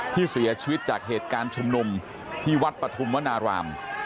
ที่เสียชีวิตจากเหตุการณ์ชุมนุมที่วัดปฐุมวนาราม